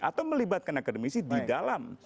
atau melibatkan akademisi di dalam